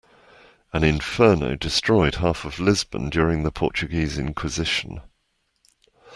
An inferno destroyed half of Lisbon during the Portuguese inquisition.